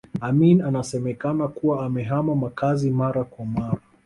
Amin anasemekana kuwa amehama makazi mara kwa mara